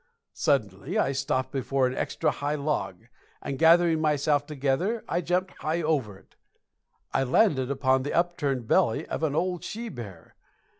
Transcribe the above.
Suddenly I stopped before an extra high log, and gathering myself together, I jumped high over it. I landed upon the upturned belly of an old she bear.